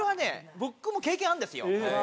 僕も経験あるんですよ。